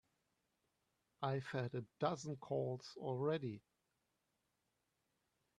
I've had a dozen calls already.